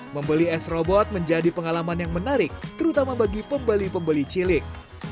membeli s robot menjadi pengalaman yang menarik terutama bagi pembeli pembeli cilik